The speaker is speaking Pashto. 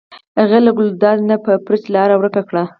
هغې له ګلداد نه په یو بړچ لاره ورکه کړه.